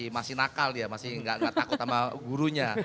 masih nakal dia masih nggak takut sama gurunya